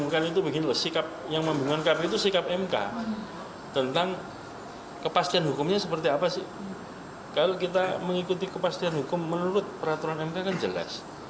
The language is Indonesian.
kepasian hukumnya seperti apa sih kalau kita mengikuti kepastian hukum menurut peraturan mk kan jelas